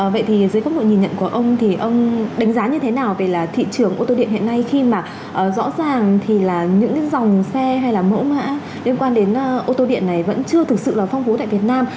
vậy thì dưới góc độ nhìn nhận của ông thì ông đánh giá như thế nào về là thị trường ô tô điện hiện nay khi mà rõ ràng thì là những cái dòng xe hay là mẫu mã liên quan đến ô tô điện này vẫn chưa thực sự là phong phú tại việt nam